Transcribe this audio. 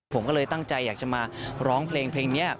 ผมก็เลยตั้งใจอยากจะมาร้องเพลงนี้